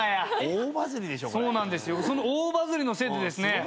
その大バズりのせいでですね